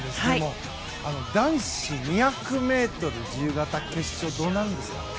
男子２００ｍ自由形決勝どうなるんですか？